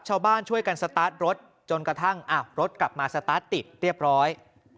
ชาวบ้านช่วยกันสตาร์ทรถจนกระทั่งรถกลับมาสตาร์ทติดเรียบร้อย